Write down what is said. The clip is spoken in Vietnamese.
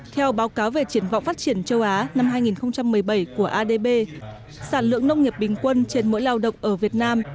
theo báo cáo về triển vọng phát triển châu á năm hai nghìn một mươi bảy của adb sản lượng nông nghiệp bình quân trên mỗi lao động ở việt nam